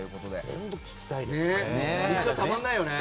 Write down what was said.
全部聴きたいですね。